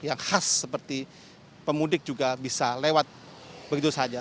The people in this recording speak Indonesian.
yang khas seperti pemudik juga bisa lewat begitu saja